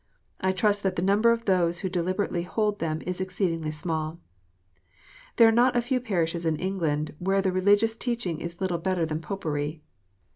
I trust that the number of those who deliberately hold them is exceedingly small. There are not a few parishes in England where the religious teaching is little better than Popery.